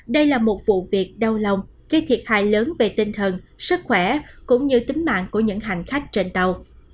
đây là một vụ việc đau lòng gây thiệt hại lớn về tinh thần sức khỏe cũng như tính mạng của những hành khách trên tàu